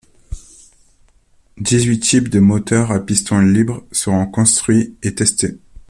Dix-huit types de moteurs à piston libre seront construits et testés.